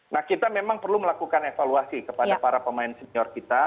nah kita memang perlu melakukan evaluasi kepada para pemain senior kita